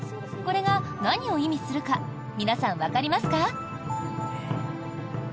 これが何を意味するか皆さん、わかりますか？